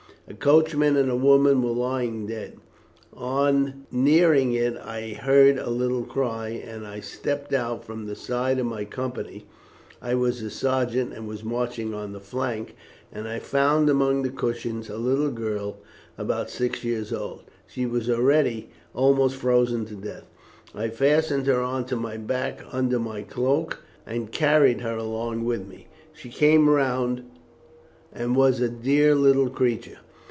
A coachman and a woman were lying dead. On nearing it, I heard a little cry, and I stepped out from the side of my company I was a sergeant and was marching on the flank and I found among the cushions a little girl, about six years old, who was already almost frozen to death. I fastened her on to my back under my cloak, and carried her along with me. She came round, and was a dear little creature.